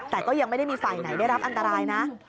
แต่ก็ยังไม่ได้มีฝ่ายไหนได้รับอันตรายนะ